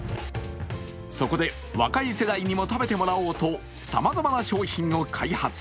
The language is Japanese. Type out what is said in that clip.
そこで、若い世代にも食べてもらおうと、さまざまな商品を開発。